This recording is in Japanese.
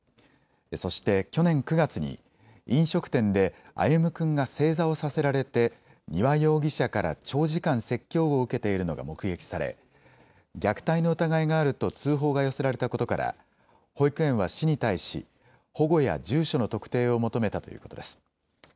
そして去年９月に飲食店で歩夢君が正座をさせられて丹羽容疑者から長時間、説教を受けているのが目撃され虐待の疑いがあると通報が寄せられたことから保育園は市に対し保護や住所の特定を求めたということです。